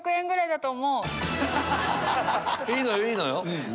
いいのよいいのよ